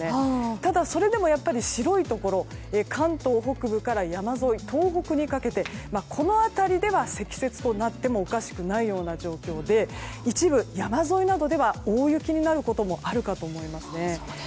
ただ、それでもやっぱり白いところ、関東北部から山沿い東北にかけてこの辺りでは積雪となってもおかしくないような状況で一部、山沿いなどでは大雪になることもあるかと思いますね。